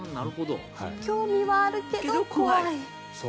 興味はあるけど怖い。